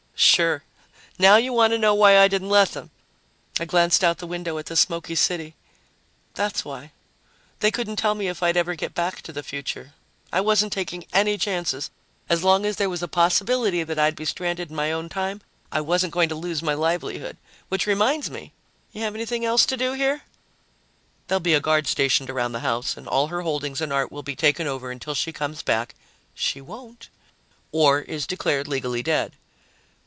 "Sure. Now you want to know why I didn't let them." I glanced out the window at the smoky city. "That's why. They couldn't tell me if I'd ever get back to the future. I wasn't taking any chances. As long as there was a possibility that I'd be stranded in my own time, I wasn't going to lose my livelihood. Which reminds me, you have anything else to do here?" "There'll be a guard stationed around the house and all her holdings and art will be taken over until she comes back " "She won't." " or is declared legally dead."